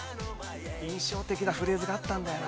印象的なフレーズがあったんだよ